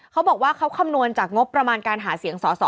เขาบอกว่าเขาคำนวณจากงบประมาณการหาเสียงสอสอ